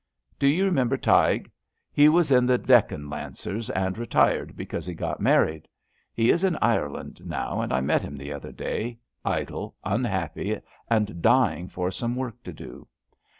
Do you remember Tighe? He was in the Dec can Lancers and retired because he got married. He is in Ireland now, and I met him the other day, idle, unhappy and dying for some work to do.